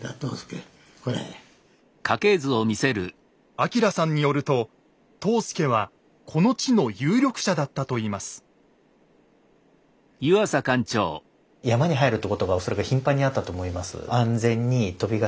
明さんによると藤助はこの地の有力者だったといいますあなるほど。